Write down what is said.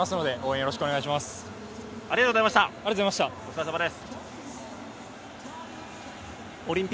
よろしくお願いします。